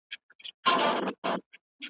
چې آينې نه يې حيا کوله